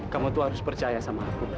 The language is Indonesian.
kamu tuh harus percaya sama aku